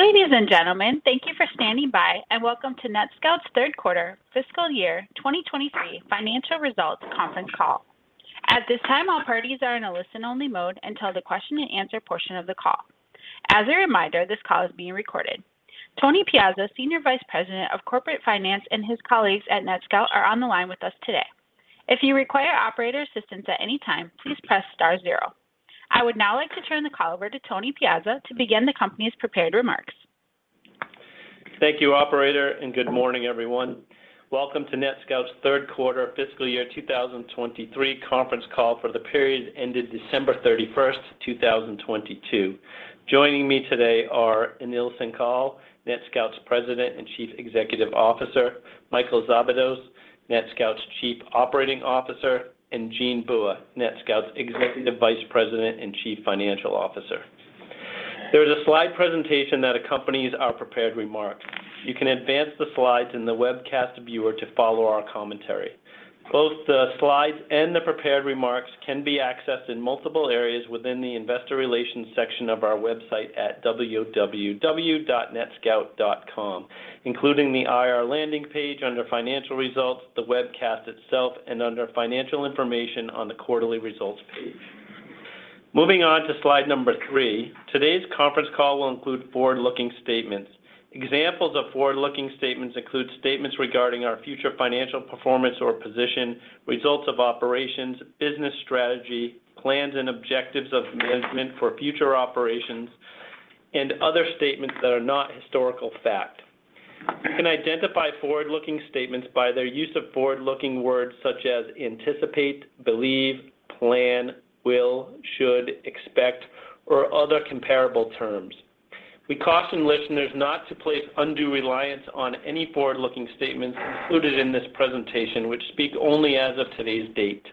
Ladies and gentlemen, thank you for standing by and welcome to NetScout's third quarter fiscal year 2023 financial results conference call. At this time, all parties are in a listen-only mode until the question-and-answer portion of the call. As a reminder, this call is being recorded. Tony Piazza, Senior Vice President of Corporate Finance, and his colleagues at NetScout are on the line with us today. If you require operator assistance at any time, please press star zero. I would now like to turn the call over to Tony Piazza to begin the company's prepared remarks. Thank you, operator. Good morning, everyone. Welcome to NetScout's third quarter fiscal year 2023 conference call for the period ended December 31st, 2022. Joining me today are Anil Singhal, NetScout's President and Chief Executive Officer, Michael Szabados, NetScout's Chief Operating Officer, and Jean Bua, NetScout's Executive Vice President and Chief Financial Officer. There is a slide presentation that accompanies our prepared remarks. You can advance the slides in the webcast viewer to follow our commentary. Both the slides and the prepared remarks can be accessed in multiple areas within the investor relations section of our website at www.netscout.com, including the IR landing page under Financial Results, the webcast itself, and under Financial Information on the quarterly results page. Moving on to slide number three. Today's conference call will include forward-looking statements. Examples of forward-looking statements include statements regarding our future financial performance or position, results of operations, business strategy, plans and objectives of management for future operations, and other statements that are not historical fact. You can identify forward-looking statements by their use of forward-looking words such as "anticipate," "believe," "plan," "will," "should," "expect," or other comparable terms. We caution listeners not to place undue reliance on any forward-looking statements included in this presentation, which speak only as of today's date.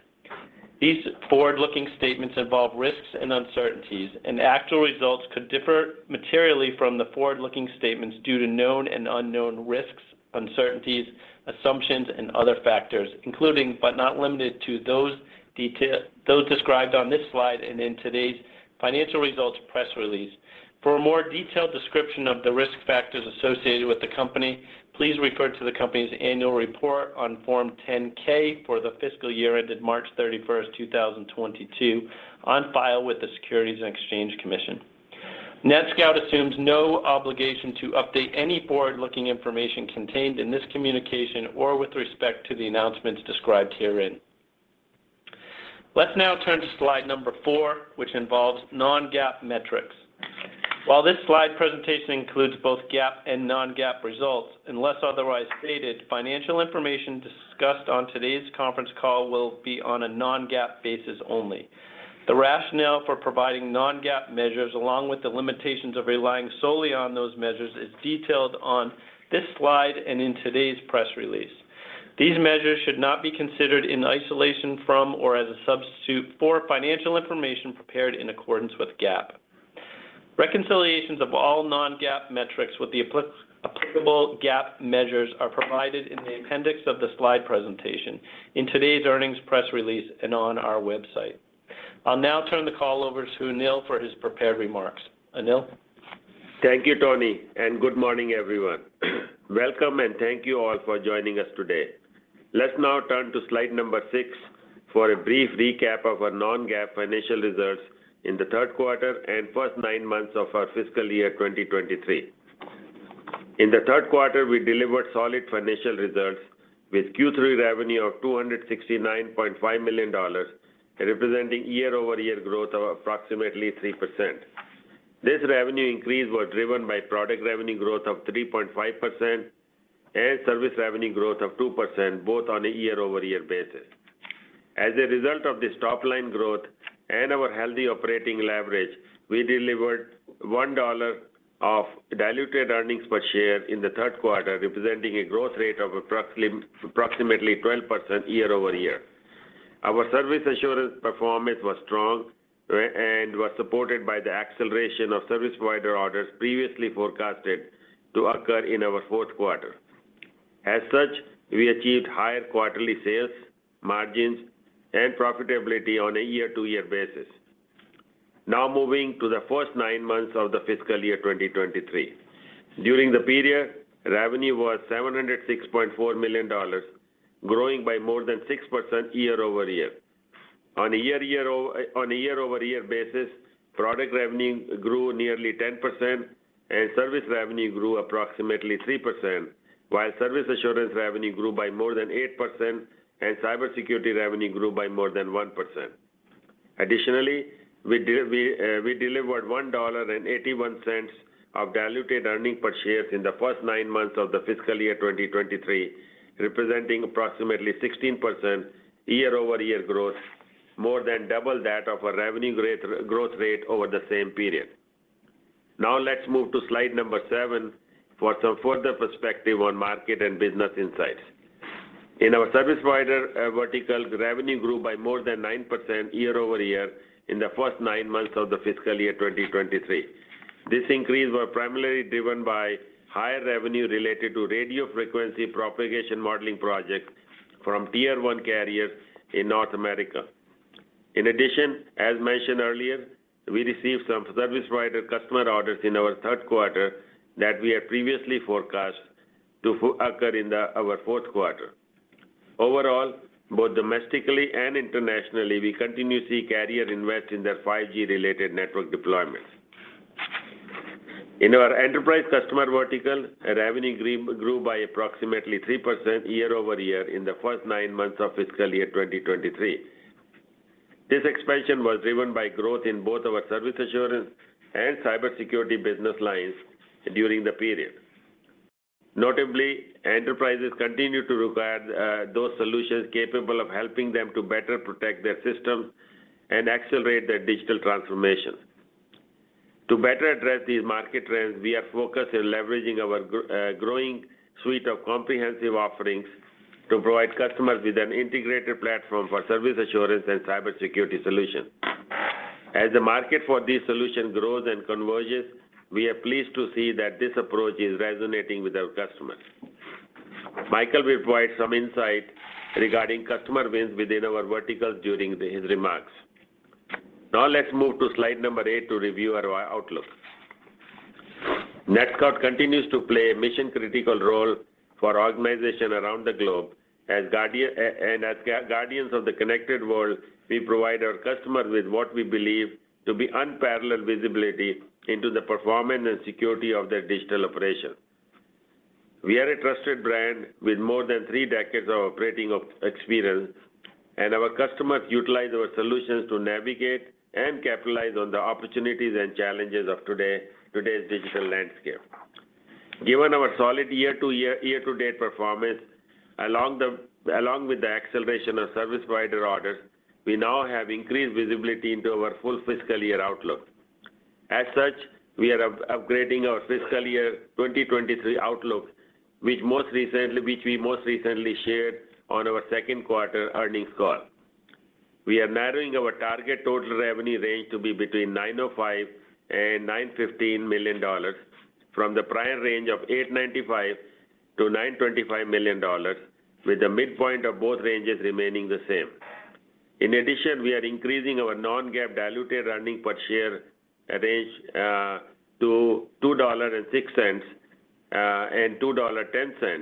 These forward-looking statements involve risks and uncertainties, and actual results could differ materially from the forward-looking statements due to known and unknown risks, uncertainties, assumptions, and other factors, including, but not limited to, those described on this slide and in today's financial results press release. For a more detailed description of the risk factors associated with the company, please refer to the company's annual report on Form 10-K for the fiscal year ended March 31st, 2022, on file with the Securities and Exchange Commission. NetScout assumes no obligation to update any forward-looking information contained in this communication or with respect to the announcements described herein. Let's now turn to slide number four, which involves non-GAAP metrics. This slide presentation includes both GAAP and non-GAAP results, unless otherwise stated, financial information discussed on today's conference call will be on a non-GAAP basis only. The rationale for providing non-GAAP measures, along with the limitations of relying solely on those measures, is detailed on this slide and in today's press release. These measures should not be considered in isolation from or as a substitute for financial information prepared in accordance with GAAP. Reconciliations of all non-GAAP metrics with the applicable GAAP measures are provided in the appendix of the slide presentation, in today's earnings press release, and on our website. I'll now turn the call over to Anil for his prepared remarks. Anil? Thank you, Tony. Good morning, everyone. Welcome and thank you all for joining us today. Let's now turn to slide number six for a brief recap of our non-GAAP financial results in the third quarter and first nine months of our fiscal year 2023. In the third quarter, we delivered solid financial results with Q3 revenue of $269.5 million, representing year-over-year growth of approximately 3%. This revenue increase was driven by product revenue growth of 3.5% and service revenue growth of 2%, both on a year-over-year basis. As a result of this top-line growth and our healthy operating leverage, we delivered $1 of diluted earnings per share in the third quarter, representing a growth rate of approximately 12% year-over-year. Our service assurance performance was strong and was supported by the acceleration of service provider orders previously forecasted to occur in our fourth quarter. We achieved higher quarterly sales, margins, and profitability on a year-over-year basis. Moving to the first nine months of the fiscal year 2023. During the period, revenue was $706.4 million, growing by more than 6% year-over-year. On a year-over-year basis, product revenue grew nearly 10% and service revenue grew approximately 3%, while service assurance revenue grew by more than 8% and cybersecurity revenue grew by more than 1%. Additionally, we delivered $1.81 of diluted earnings per share in the first nine months of the fiscal year 2023, representing approximately 16% year-over-year growth, more than double that of our revenue growth rate over the same period. Now let's move to slide number seven for some further perspective on market and business insights. In our service provider vertical, revenue grew by more than 9% year-over-year in the first nine months of the fiscal year 2023. This increase was primarily driven by higher revenue related to radio frequency propagation modeling projects from tier one carriers in North America. In addition, as mentioned earlier, we received some service provider customer orders in our third quarter that we had previously forecast to occur in our fourth quarter. Overall, both domestically and internationally, we continue to see carrier invest in their 5G related network deployments. In our enterprise customer vertical, our revenue grew by approximately 3% year-over-year in the first nine months of fiscal year 2023. This expansion was driven by growth in both our service assurance and cybersecurity business lines during the period. Notably, enterprises continue to require those solutions capable of helping them to better protect their system and accelerate their digital transformation. To better address these market trends, we are focused in leveraging our growing suite of comprehensive offerings to provide customers with an integrated platform for service assurance and cybersecurity solutions. As the market for this solution grows and converges, we are pleased to see that this approach is resonating with our customers. Michael will provide some insight regarding customer wins within our verticals during his remarks. Now let's move to slide number eight to review our outlook. NetScout continues to play a mission-critical role for organizations around the globe. As guardians of the connected world, we provide our customers with what we believe to be unparalleled visibility into the performance and security of their digital operations. We are a trusted brand with more than three decades of operating experience, and our customers utilize our solutions to navigate and capitalize on the opportunities and challenges of today's digital landscape. Given our solid year-to-date performance, along with the acceleration of service provider orders, we now have increased visibility into our full fiscal year outlook. As such, we are upgrading our fiscal year 2023 outlook, which we most recently shared on our second quarter earnings call. We are narrowing our target total revenue range to be between $905 million and $915 million from the prior range of $895 million-$925 million, with the midpoint of both ranges remaining the same. We are increasing our non-GAAP diluted earnings per share range to $2.06 and $2.10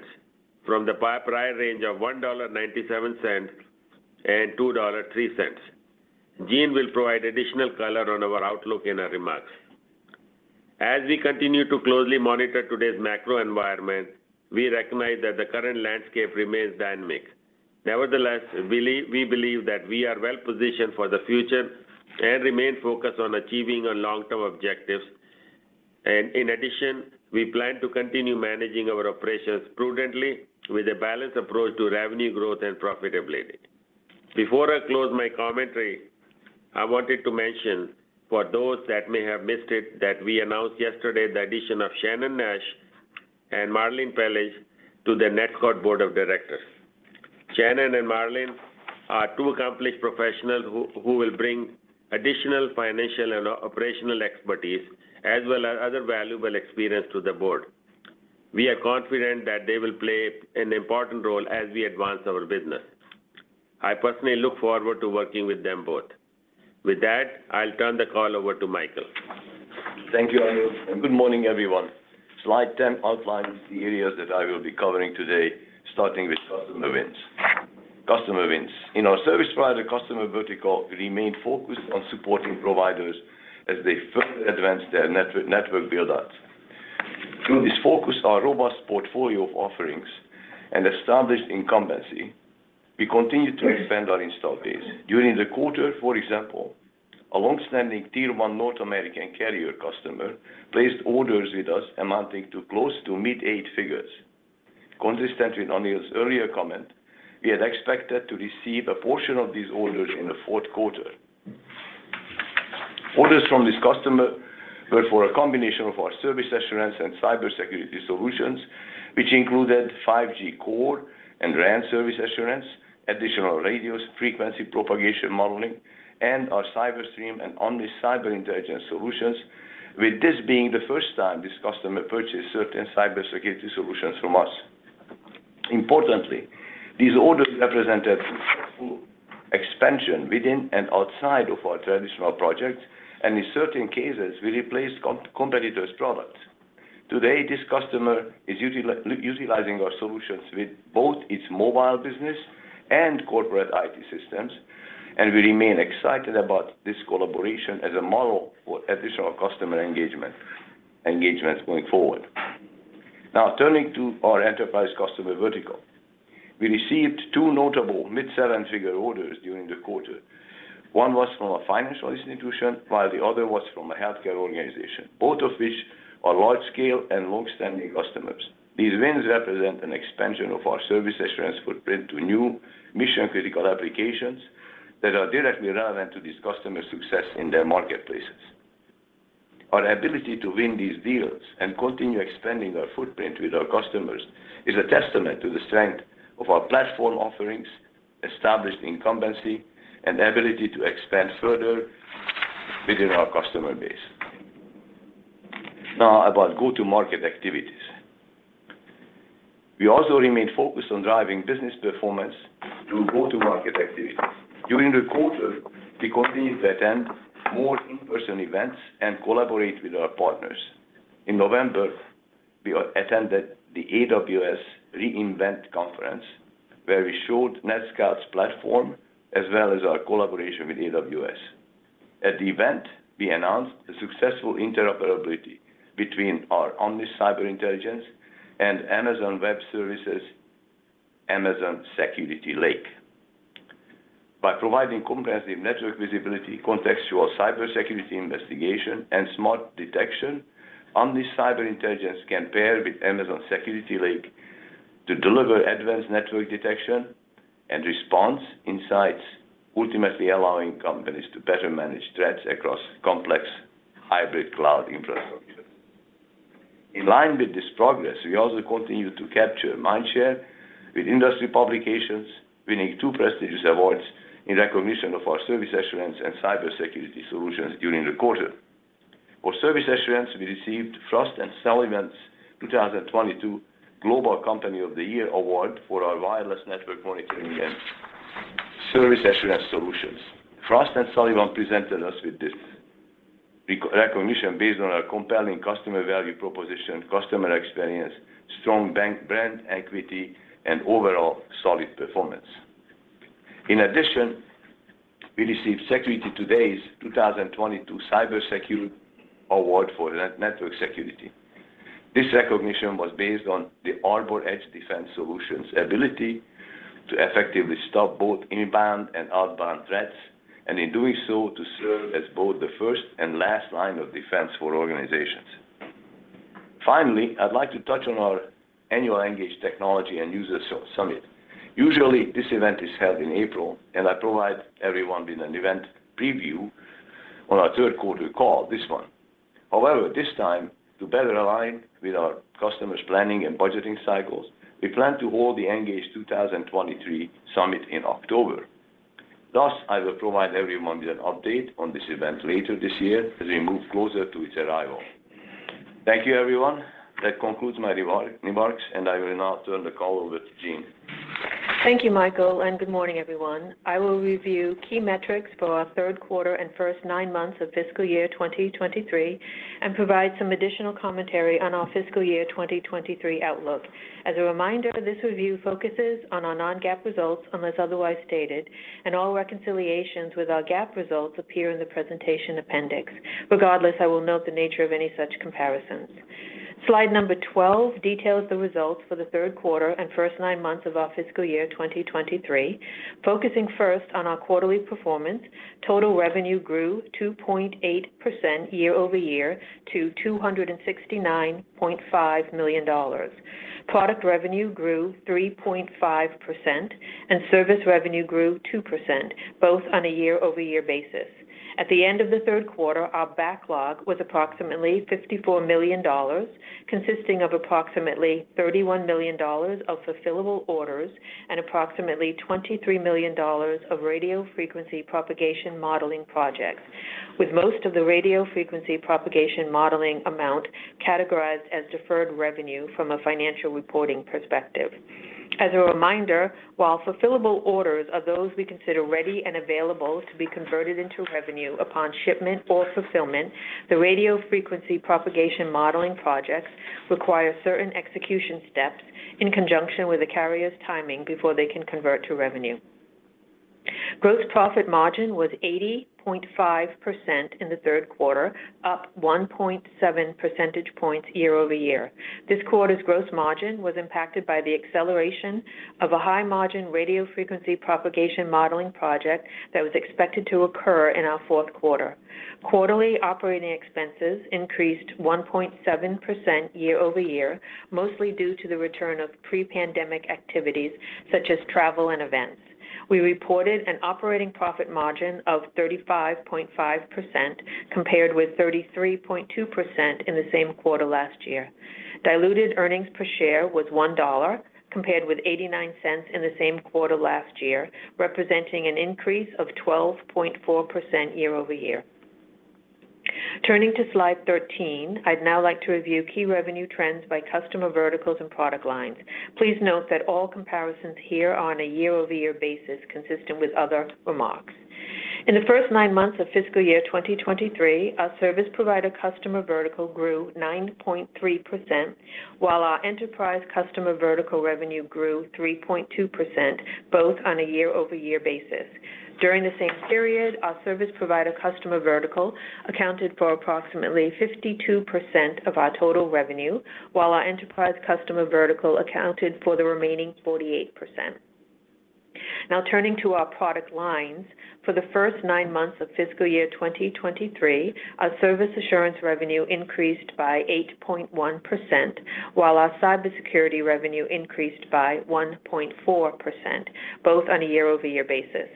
from the prior range of $1.97 and $2.03. Jean will provide additional color on our outlook in our remarks. We continue to closely monitor today's macro environment, we recognize that the current landscape remains dynamic. We believe that we are well-positioned for the future and remain focused on achieving our long-term objectives. We plan to continue managing our operations prudently with a balanced approach to revenue growth and profitability. Before I close my commentary, I wanted to mention for those that may have missed it, that we announced yesterday the addition of Shannon Nash and Marlene Pelage to the NetScout Board of Directors. Shannon and Marlene are two accomplished professionals who will bring additional financial and operational expertise as well as other valuable experience to the board. We are confident that they will play an important role as we advance our business. I personally look forward to working with them both. With that, I'll turn the call over to Michael. Thank you, Anil, and good morning, everyone. Slide 10 outlines the areas that I will be covering today, starting with customer wins. Customer wins. In our service provider, customer vertical remained focused on supporting providers as they further advance their network build-out. Through this focus, our robust portfolio of offerings and established incumbency, we continued to expand our install base. During the quarter, for example, a long-standing tier one North American carrier customer placed orders with us amounting to close to mid-eight figures. Consistent with Anil's earlier comment, we had expected to receive a portion of these orders in the fourth quarter. Orders from this customer were for a combination of our service assurance and cybersecurity solutions, which included 5G core and RAN service assurance, additional radio frequency propagation modeling, and our CyberStream and Omnis Cyber Intelligence solutions, with this being the first time this customer purchased certain cybersecurity solutions from us. Importantly, these orders represented full expansion within and outside of our traditional projects, and in certain cases, we replaced competitors' products. Today, this customer is utilizing our solutions with both its mobile business and corporate IT systems, and we remain excited about this collaboration as a model for additional customer engagements going forward. Now, turning to our enterprise customer vertical. We received two notable mid-$7 million orders during the quarter. One was from a financial institution, while the other was from a healthcare organization, both of which are large scale and long-standing customers. These wins represent an expansion of our service assurance footprint to new mission-critical applications that are directly relevant to these customers' success in their marketplaces. Our ability to win these deals and continue expanding our footprint with our customers is a testament to the strength of our platform offerings, established incumbency, and ability to expand further within our customer base. Now about go-to-market activities. We also remained focused on driving business performance through go-to-market activities. During the quarter, we continued to attend more in-person events and collaborate with our partners. In November, we attended the AWS re:Invent conference, where we showed NetScout's platform as well as our collaboration with AWS. At the event, we announced the successful interoperability between our Omnis Cyber Intelligence and Amazon Web Services' Amazon Security Lake. By providing comprehensive network visibility, contextual cybersecurity investigation, and smart detection, Omnis Cyber Intelligence can pair with Amazon Security Lake to deliver advanced network detection and response insights, ultimately allowing companies to better manage threats across complex hybrid cloud infrastructures. In line with this progress, we also continued to capture mindshare with industry publications, winning two prestigious awards in recognition of our service assurance and cybersecurity solutions during the quarter. For service assurance, we received Frost & Sullivan's 2022 Global Company of the Year award for our wireless network monitoring and service assurance solutions. Frost & Sullivan presented us with this recognition based on our compelling customer value proposition, customer experience, strong brand equity, and overall solid performance. In addition, we received Security Today's 2022 CyberSecured Award for network security. This recognition was based on the Arbor Edge Defense solutions' ability to effectively stop both inbound and outbound threats, and in doing so, to serve as both the first and last line of defense for organizations. I'd like to touch on our annual ENGAGE technology and user summit. Usually, this event is held in April, and I provide everyone with an event preview on our third quarterly call, this one. This time, to better align with our customers' planning and budgeting cycles, we plan to hold the ENGAGE 2023 summit in October. I will provide everyone with an update on this event later this year as we move closer to its arrival. Thank you, everyone. That concludes my remarks, and I will now turn the call over to Jean. Thank you, Michael. Good morning, everyone. I will review key metrics for our third quarter and first nine months of fiscal year 2023 and provide some additional commentary on our fiscal year 2023 outlook. As a reminder, this review focuses on our non-GAAP results unless otherwise stated, and all reconciliations with our GAAP results appear in the presentation appendix. Regardless, I will note the nature of any such comparisons. Slide number 12 details the results for the third quarter and first nine months of our fiscal year 2023. Focusing first on our quarterly performance, total revenue grew 2.8% year-over-year to $269.5 million. Product revenue grew 3.5%, and service revenue grew 2%, both on a year-over-year basis. At the end of the third quarter, our backlog was approximately $54 million, consisting of approximately $31 million of fulfillable orders and approximately $23 million of radio frequency propagation modeling projects, with most of the radio frequency propagation modeling amount categorized as deferred revenue from a financial reporting perspective. As a reminder, while fulfillable orders are those we consider ready and available to be converted into revenue upon shipment or fulfillment, the radio frequency propagation modeling projects require certain execution steps in conjunction with the carrier's timing before they can convert to revenue. Gross profit margin was 80.5% in the third quarter, up 1.7 percentage points year-over-year. This quarter's gross margin was impacted by the acceleration of a high-margin radio frequency propagation modeling project that was expected to occur in our fourth quarter. Quarterly operating expenses increased 1.7% year-over-year, mostly due to the return of pre-pandemic activities, such as travel and events. We reported an operating profit margin of 35.5%, compared with 33.2% in the same quarter last year. Diluted earnings per share was $1, compared with $0.89 in the same quarter last year, representing an increase of 12.4% year-over-year. Turning to slide 13, I'd now like to review key revenue trends by customer verticals and product lines. Please note that all comparisons here are on a year-over-year basis, consistent with other remarks. In the first nine months of fiscal year 2023, our service provider customer vertical grew 9.3%, while our enterprise customer vertical revenue grew 3.2%, both on a year-over-year basis. During the same period, our service provider customer vertical accounted for approximately 52% of our total revenue, while our enterprise customer vertical accounted for the remaining 48%. Turning to our product lines, for the first nine months of fiscal year 2023, our service assurance revenue increased by 8.1%, while our cybersecurity revenue increased by 1.4%, both on a year-over-year basis.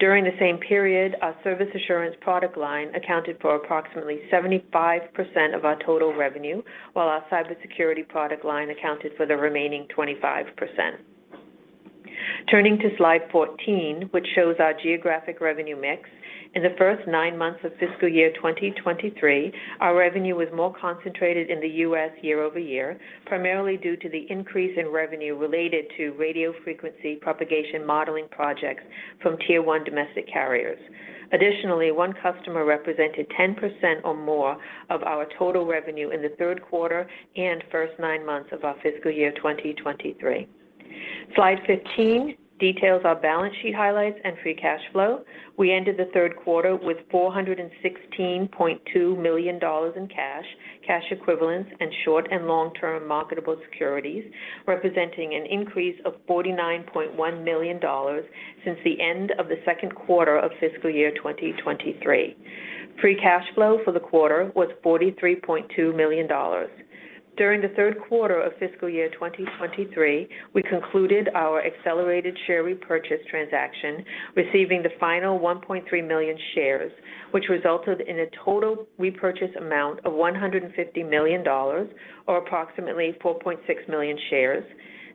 During the same period, our service assurance product line accounted for approximately 75% of our total revenue, while our cybersecurity product line accounted for the remaining 25%. Turning to slide 14, which shows our geographic revenue mix. In the first nine months of fiscal year 2023, our revenue was more concentrated in the U.S. year-over-year, primarily due to the increase in revenue related to radio frequency propagation modeling projects from tier one domestic carriers. Additionally, one customer represented 10% or more of our total revenue in the third quarter and first nine months of our fiscal year 2023. Slide 15 details our balance sheet highlights and free cash flow. We ended the third quarter with $416.2 million in cash equivalents, and short and long-term marketable securities, representing an increase of $49.1 million since the end of the second quarter of fiscal year 2023. Free cash flow for the quarter was $43.2 million. During the third quarter of fiscal year 2023, we concluded our accelerated share repurchase transaction, receiving the final 1.3 million shares, which resulted in a total repurchase amount of $150 million or approximately 4.6 million shares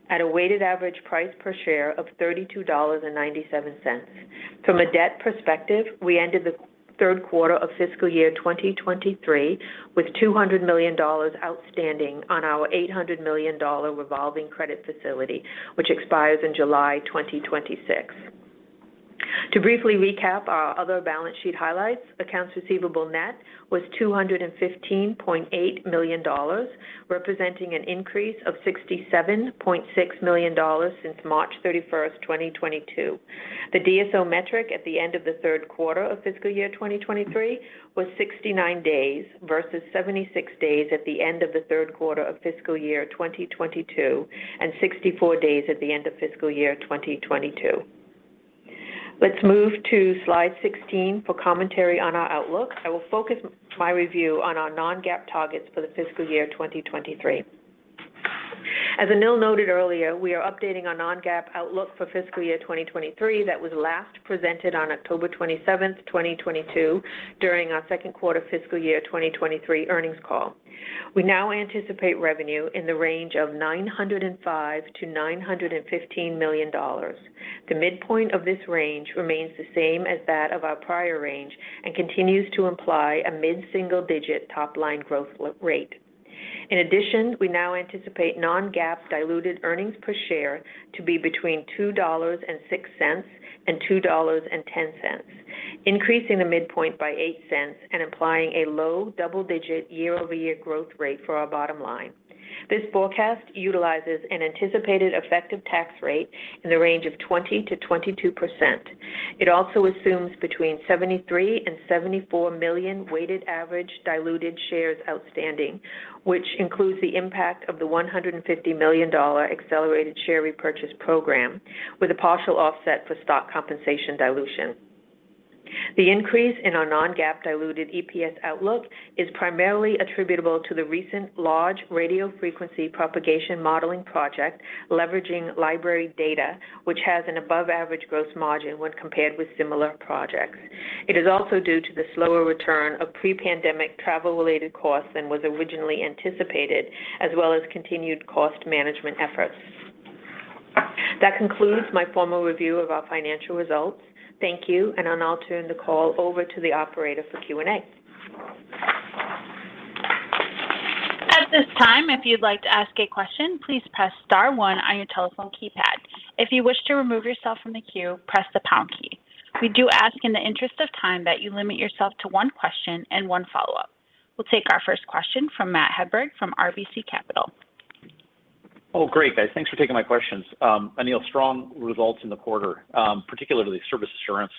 at a weighted average price per share of $32.97. From a debt perspective, we ended the third quarter of fiscal year 2023 with $200 million outstanding on our $800 million revolving credit facility, which expires in July 2026. To briefly recap our other balance sheet highlights, accounts receivable net was $215.8 million, representing an increase of $67.6 million since March 31, 2022. The DSO metric at the end of the third quarter of fiscal year 2023 was 69 days versus 76 days at the end of the third quarter of fiscal year 2022 and 64 days at the end of fiscal year 2022. Let's move to slide 16 for commentary on our outlook. I will focus my review on our non-GAAP targets for the fiscal year 2023. As Anil noted earlier, we are updating our non-GAAP outlook for fiscal year 2023 that was last presented on October 27, 2022 during our second quarter fiscal year 2023 earnings call. We now anticipate revenue in the range of $905 million-$915 million. The midpoint of this range remains the same as that of our prior range and continues to imply a mid-single digit top-line growth rate. We now anticipate non-GAAP diluted earnings per share to be between $2.06 and $2.10, increasing the midpoint by $0.08 and implying a low double-digit year-over-year growth rate for our bottom line. This forecast utilizes an anticipated effective tax rate in the range of 20%-22%. It also assumes between 73 million and 74 million weighted average diluted shares outstanding, which includes the impact of the $150 million accelerated share repurchase program with a partial offset for stock compensation dilution. The increase in our non-GAAP diluted EPS outlook is primarily attributable to the recent large radio frequency propagation modeling project leveraging library data, which has an above average gross margin when compared with similar projects. It is also due to the slower return of pre-pandemic travel-related costs than was originally anticipated, as well as continued cost management efforts. That concludes my formal review of our financial results. Thank you, and I'll now turn the call over to the operator for Q&A. At this time, if you'd like to ask a question, please press star one on your telephone keypad. If you wish to remove yourself from the queue, press the pound key. We do ask in the interest of time that you limit yourself to one question and one follow-up. We'll take our first question from Matt Hedberg from RBC Capital. Great, guys. Thanks for taking my questions. Anil, strong results in the quarter, particularly service assurance.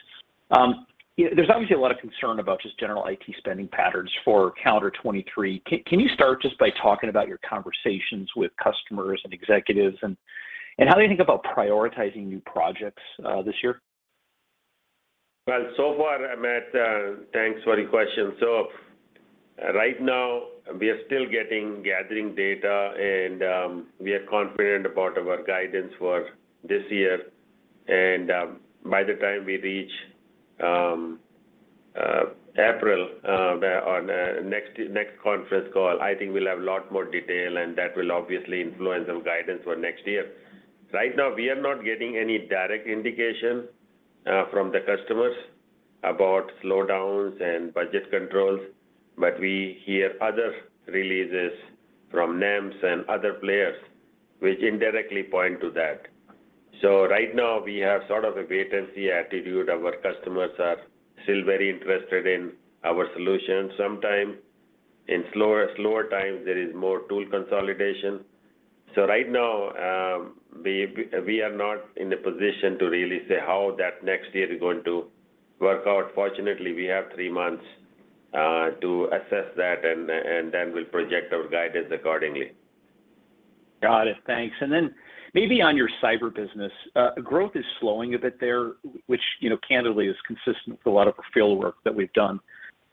There's obviously a lot of concern about just general IT spending patterns for calendar 2023. Can you start just by talking about your conversations with customers and executives and how they think about prioritizing new projects this year? So far, Matt Hedberg, thanks for the question. Right now, we are still gathering data, and we are confident about our guidance for this year. By the time we reach April, where on next conference call, I think we'll have a lot more detail, and that will obviously influence our guidance for next year. Right now, we are not getting any direct indication from the customers about slowdowns and budget controls, but we hear other releases from NEMs and other players which indirectly point to that. Right now we have sort of a wait-and-see attitude. Our customers are still very interested in our solution. Sometime in slower times, there is more tool consolidation. Right now, we are not in the position to really say how that next year is going to work out. Fortunately, we have three months, to assess that, and then we'll project our guidance accordingly. Got it. Thanks. Then maybe on your cyber business, growth is slowing a bit there, which, you know, candidly is consistent with a lot of field work that we've done.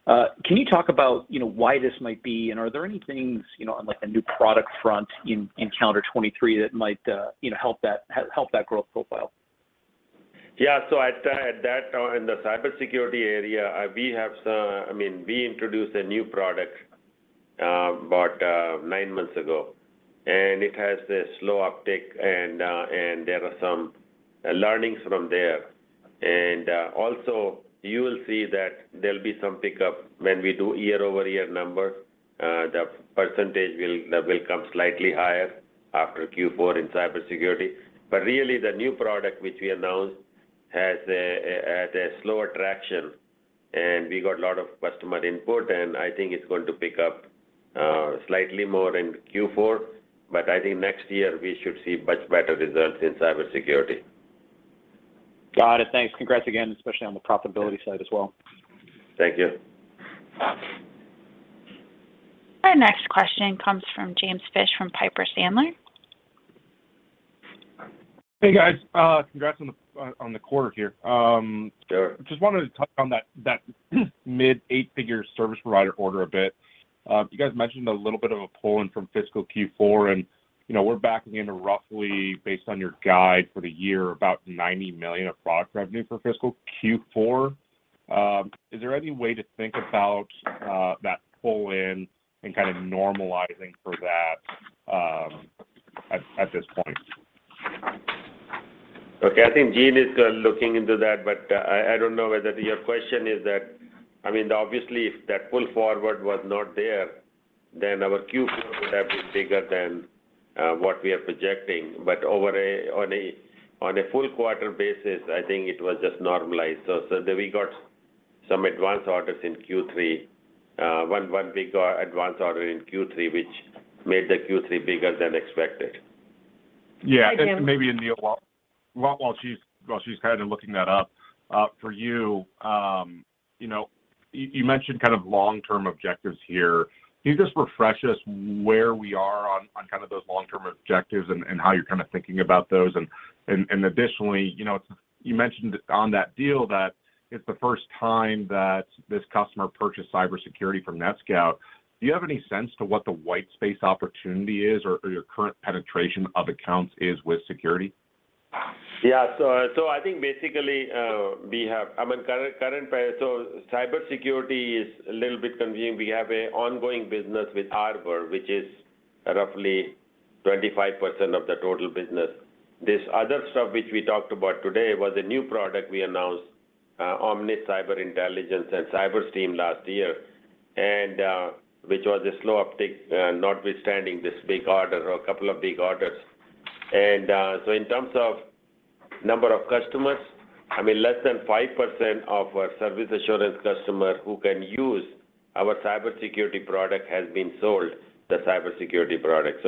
Can you talk about, you know, why this might be, and are there any things, you know, on like a new product front in calendar 2023 that might, you know, help that growth profile? I mean, we introduced a new product about nine months ago, and it has a slow uptake, and there were some learnings from there. Also, you will see that there'll be some pickup when we do year-over-year number. The percentage that will come slightly higher after Q4 in cybersecurity. Really, the new product which we announced has a slower traction, and we got a lot of customer input, and I think it's going to pick up slightly more in Q4. I think next year we should see much better results in cybersecurity. Got it. Thanks. Congrats again, especially on the profitability side as well. Thank you. Our next question comes from James Fish from Piper Sandler. Hey, guys. Congrats on the, on the quarter here. Just wanted to touch on that mid eight-figure service provider order a bit. You guys mentioned a little bit of a pull-in from fiscal Q4, and, you know, we're backing in roughly based on your guide for the year, about $90 million of product revenue for fiscal Q4. Is there any way to think about that pull-in and kind of normalizing for that, at this point? Okay. I think Jean is looking into that, but I don't know whether your question is that. I mean, obviously if that pull forward was not there, then our Q4 would have been bigger than what we are projecting. On a full quarter basis, I think it was just normalized. We got some advance orders in Q3, one big advance order in Q3, which made the Q3 bigger than expected. Yeah. Hi, Jim. Maybe, Anil, while she's kind of looking that up for you know, you mentioned kind of long-term objectives here. Can you just refresh us where we are on kind of those long-term objectives and how you're kind of thinking about those? Additionally, you know, you mentioned on that deal that it's the first time that this customer purchased cybersecurity from NetScout. Do you have any sense to what the white space opportunity is or your current penetration of accounts is with security? I think basically, I mean, so cybersecurity is a little bit convenient. We have a ongoing business with Arbor, which is roughly 25% of the total business. This other stuff which we talked about today was a new product we announced, Omnis Cyber Intelligence and Omnis CyberStream last year, which was a slow uptake, notwithstanding this big order or a couple of big orders. In terms of number of customers, I mean, less than 5% of our service assurance customer who can use our cybersecurity product has been sold the cybersecurity product.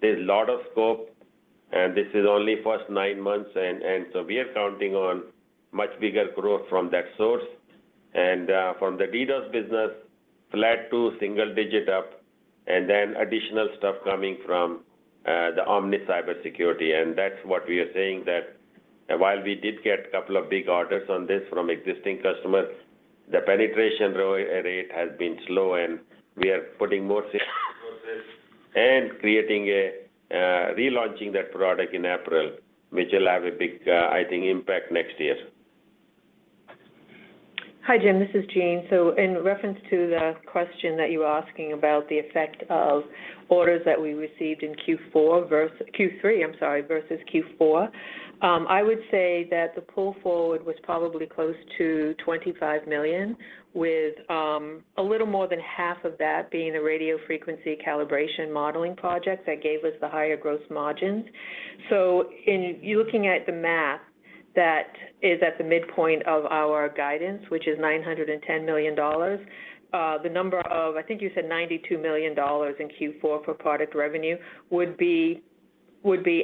There's a lot of scope, and this is only first nine months, we are counting on much bigger growth from that source. From the DDoS business, flat to single-digit up. Then additional stuff coming from the Omni cybersecurity. That's what we are saying that while we did get a couple of big orders on this from existing customers, the penetration rate has been slow and we are putting more sales processes and creating a relaunching that product in April, which will have a big, I think impact next year. Hi, James Fish. This is Jean. In reference to the question that you were asking about the effect of orders that we received in Q3, I'm sorry, versus Q4, I would say that the pull forward was probably close to $25 million, with a little more than half of that being a radio frequency calibration modeling project that gave us the higher gross margins. In looking at the math that is at the midpoint of our guidance, which is $910 million, the number of, I think you said $92 million in Q4 for product revenue would be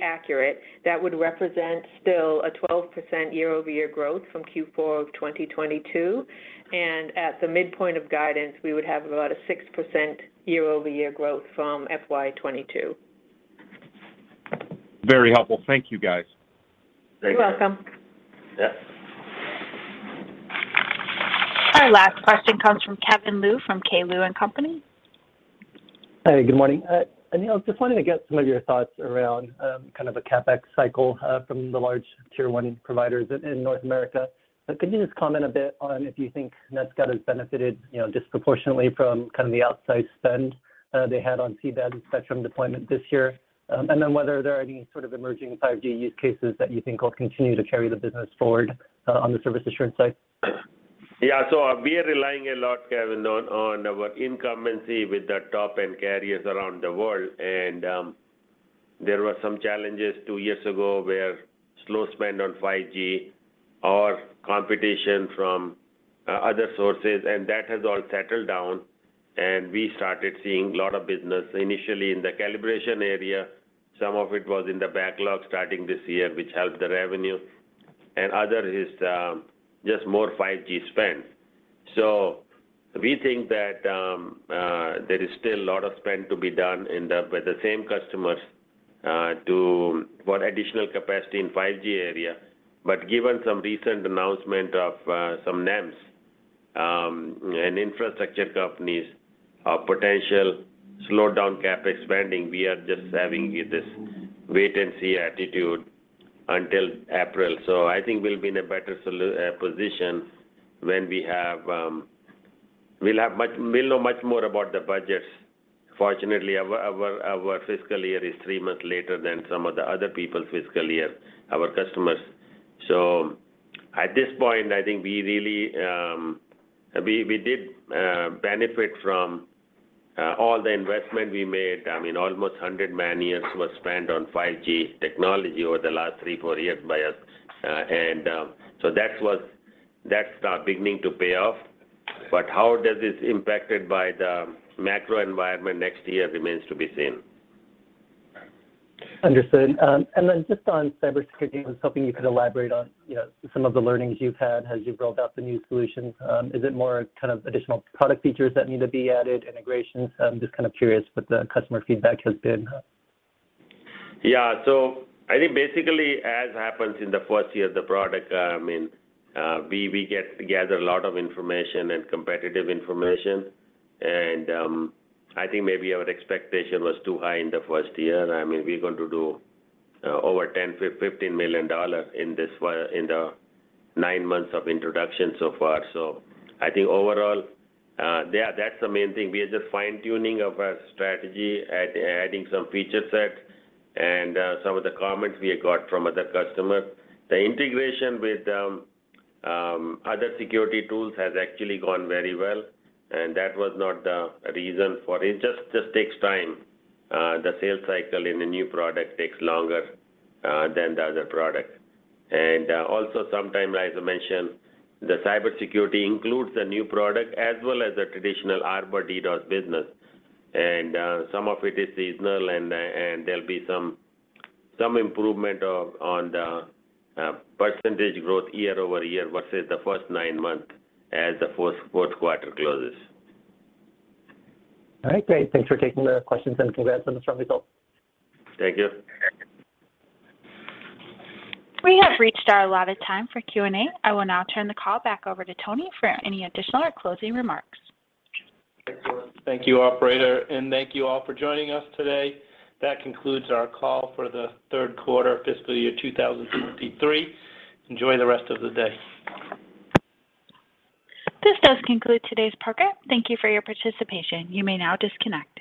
accurate. That would represent still a 12% year-over-year growth from Q4 of 2022, and at the midpoint of guidance, we would have about a 6% year-over-year growth from FY 2022. Very helpful. Thank you, guys. Thank you. You're welcome. Yeah. Our last question comes from Kevin Liu from K. Liu & Company. Hey, good morning. Anil, just wanted to get some of your thoughts around kind of a CapEx cycle from the large tier one providers in North America. Could you just comment a bit on if you think NetScout has benefited, you know, disproportionately from kind of the outside spend they had on C-Band spectrum deployment this year? Whether there are any sort of emerging 5G use cases that you think will continue to carry the business forward on the service assurance side? We are relying a lot, Kevin Liu, on our incumbency with the top-end carriers around the world. There were some challenges two years ago where slow spend on 5G or competition from other sources, and that has all settled down, and we started seeing a lot of business initially in the calibration area. Some of it was in the backlog starting this year, which helped the revenue, and other is just more 5G spend. We think that there is still a lot of spend to be done with the same customers for additional capacity in 5G area. Given some recent announcement of some NEMs, and infrastructure companies are potential slowdown cap expanding. We are just having this wait and see attitude until April. I think we'll be in a better position when we have, we'll know much more about the budgets. Fortunately, our fiscal year is three months later than some of the other people's fiscal year, our customers. At this point, I think we really, we did benefit from all the investment we made. I mean, almost $100 million was spent on 5G technology over the last three, four years by us. That's beginning to pay off. How that is impacted by the macro environment next year remains to be seen. Understood. Just on cybersecurity, I was hoping you could elaborate on, you know, some of the learnings you've had as you've built out the new solutions. Is it more kind of additional product features that need to be added, integrations? I'm just kind of curious what the customer feedback has been. I think basically, as happens in the first year of the product, I mean, we gather a lot of information and competitive information, and I think maybe our expectation was too high in the first year. I mean, we're going to do over $10 million-$15 million in the nine months of introduction so far. I think overall, that's the main thing. We are just fine-tuning our strategy, adding some feature sets and some of the comments we got from other customers. The integration with other security tools has actually gone very well, and that was not the reason for it. It just takes time. The sales cycle in a new product takes longer than the other product. Also sometime, as I mentioned and there'll be some improvement on the percentage growth year-over-year versus the first nine months as the fourth quarter closes. All right. Great. Thanks for taking the questions and congrats on the strong results. Thank you. We have reached our allotted time for Q&A. I will now turn the call back over to Tony for any additional or closing remarks. Excellent. Thank you, operator, and thank you all for joining us today. That concludes our call for the third quarter of fiscal year 2023. Enjoy the rest of the day. This does conclude today's program. Thank you for your participation. You may now disconnect.